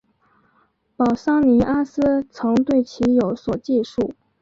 保桑尼阿斯曾对其有所记述。